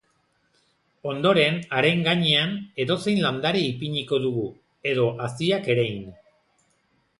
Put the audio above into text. Ondoren, haren gainean, edozein landare ipiniko dugu, edo haziak erein.